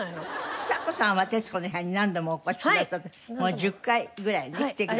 ちさ子さんは『徹子の部屋』に何度もお越しくださってもう１０回ぐらいね来てくださったんです。